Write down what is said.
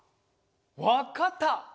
わかった！